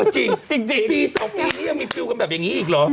จริงปี๒ปีนี้ยังมีฟิลกันแบบอย่างนี้อีกเหรอ